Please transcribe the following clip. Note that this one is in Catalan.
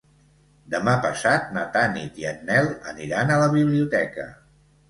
Demà passat na Tanit i en Nel aniran a la biblioteca.